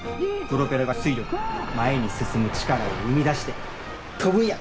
プロペラが推力前に進む力を生み出して飛ぶんや！